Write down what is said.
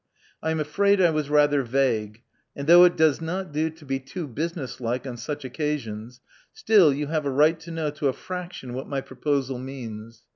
I am afraid I was rather vague ; and though it does not do to be too business like on such occasions, still, you have a right to know to a fraction what my proposal means.